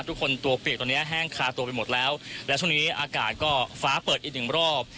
ทุกคนตัวเปียกตอนนี้แห้งคาตัวไปหมดแล้วและช่วงนี้อากาศก็ฟ้าเปิดอีกหนึ่งรอบ